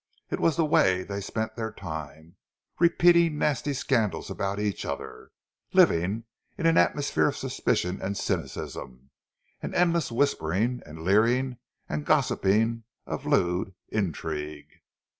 It was the way they spent their time, repeating nasty scandals about each other; living in an atmosphere of suspicion and cynicism, with endless whispering and leering, and gossip of lew intrigue.